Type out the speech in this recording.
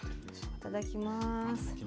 いただきます。